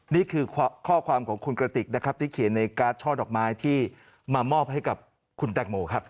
นี่คือข้อความของคุณกระติกนะครับที่เขียนในการ์ดช่อดอกไม้ที่มามอบให้กับคุณแตงโมครับ